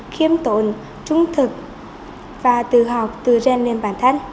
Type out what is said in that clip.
khiêm tồn trung thực và từ học từ rèn lên bản thân